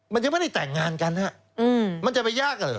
มันยังไม่ได้แต่งงานกันฮะมันจะไปยากเหรอ